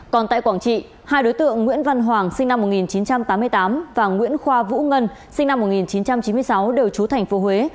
còn tại quảng trị hai đối tượng nguyễn văn hoàng sinh năm một nghìn chín trăm tám mươi tám và nguyễn khoa vũ ngân sinh năm một nghìn chín trăm chín mươi sáu đều trú thành phố huế